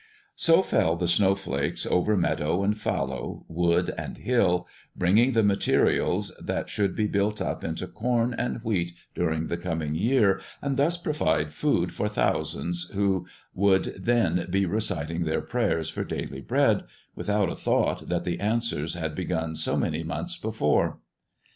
So fell the snowflakes over meadow and fallow, wood and hill, bringing the materials that should be built up into corn and wheat during the coming year and thus provide food for thousands who would then be reciting their prayers for daily bread, without a thought that the answers had begun so many months before.